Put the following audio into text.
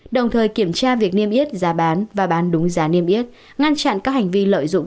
đồng thời kiểm tra việc niêm yết giá bán và bán đúng giá niêm yết ngăn chặn các hành vi lợi dụng